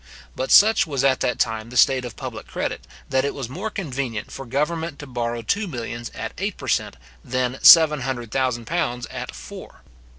But such was at that time the state of public credit, that it was more convenient for government to borrow two millions at eight per cent. than seven hundred thousand pounds at four.